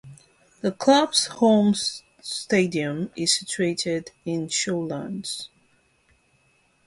The club's home stadium is situated in Shawlands.